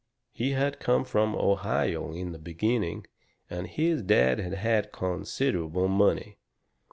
He had come from Ohio in the beginning, and his dad had had considerable money.